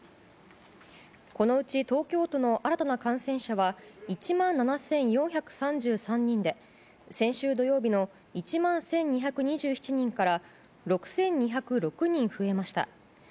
このうち東京都の新たな感染者は１万７４３３人で先週土曜日の１万１２２７人から６２０６人増えました。